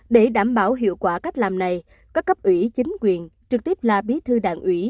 để đảm bảo hiệu quả cách làm này các cấp ủy chính quyền trực tiếp là bí thư đảng ủy